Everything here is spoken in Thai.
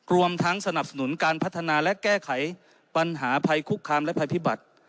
รวมทั้งสนับสนุนการพัฒนาและแก้ไขปัญหาภัยคุกคามและภัยพิบัติ